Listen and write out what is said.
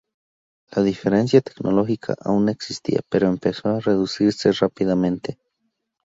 La diferencia tecnológica aún existía, pero empezó a reducirse rápidamente.